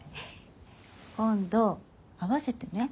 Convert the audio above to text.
今度会わせてね。